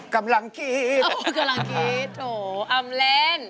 กำลังกี๊ดโถอำเลน